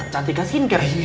cantik kan skincare